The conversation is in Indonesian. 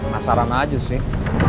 masa rana aja sih